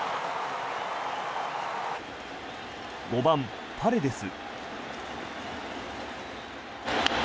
５番、パレデス。